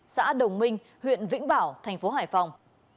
xã đồng minh huyện vĩnh bảo thành phố hải phòng